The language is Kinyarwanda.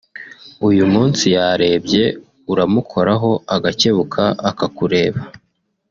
uyu munsi yarebye uramukoraho agakebuka akakureba